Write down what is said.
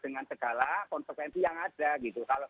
dengan segala konsekuensi yang ada gitu